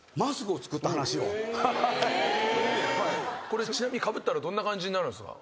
これちなみにかぶったらどんな感じになるんですか？